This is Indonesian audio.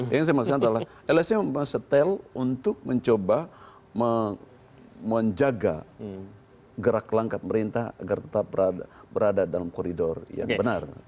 yang saya maksudkan adalah lsm setel untuk mencoba menjaga gerak langkah pemerintah agar tetap berada dalam koridor yang benar